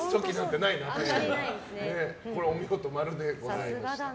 これはお見事○でございました。